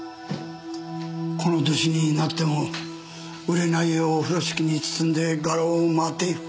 この歳になっても売れない絵を風呂敷に包んで画廊を回っている。